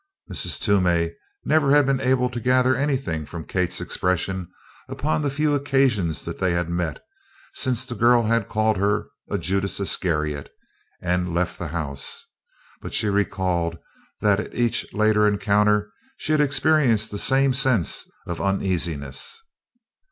Mrs. Toomey never had been able to gather anything from Kate's expression upon the few occasions that they had met since the girl had called her a "Judas Iscariot" and left the house, but she recalled that at each later encounter she had experienced the same sense of uneasiness.